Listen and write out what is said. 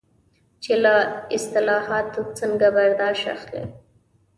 چې له اصطلاحاتو څنګه برداشت اخلي.